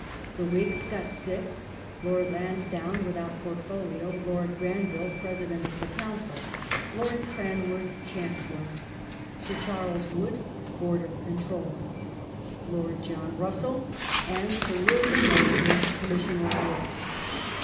The Whigs got six — Lord Lansdowne, without portfolio, Lord Granville (Pi*esident of the Council), Lord Cran worth (Chancellor), Sir Charles Wood (Board of Control), Lord John Russell and Sir William Moles worth (Commissioner of Works).